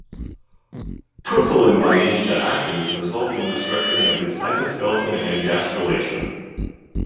Profilin binding to actin can result in restructuring of the cytoskeleton and gastrulation.